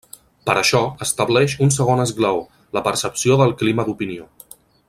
Per això, estableix un segon esglaó, la percepció del clima d'opinió.